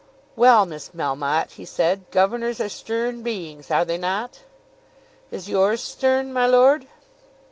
"Well, Miss Melmotte," he said; "governors are stern beings: are they not?" "Is yours stern, my lord?"